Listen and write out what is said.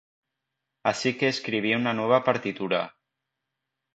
Así que escribí una nueva partitura.